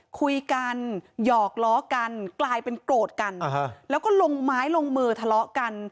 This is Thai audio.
คุยกันหยอกล้อกันกลายเป็นโกรธกันแล้วก็ลงไม้ลงมือทะเลาะกัน